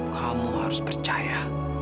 kamu harus percaya